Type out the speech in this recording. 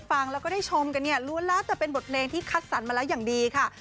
จะได้ฟังและก็ได้ชมตัวเนี่ยรู้แล้วแต่เป็นบทเพลงที่คัดสรรมาแล้วอย่างดีครับ